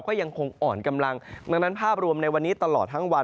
ก็ยังคงอ่อนกำลังดังนั้นภาพรวมในวันนี้ตลอดทั้งวัน